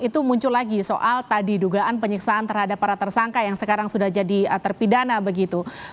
itu muncul lagi soal tadi dugaan penyiksaan terhadap para tersangka yang sekarang sudah jadi terpidana begitu